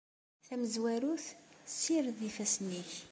Tamezwarut, ssired ifassen-nnek.